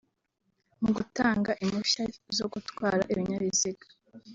Mu gutanga impushya zo gutwara ibinyabiziga